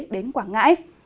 đến quảng ngãi